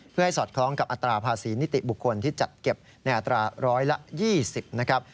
เพื่อให้สอดคล้องกับอัตราภาษีนิติบุคคลที่จัดเก็บในอัตราร้อยละ๒๐นะครับ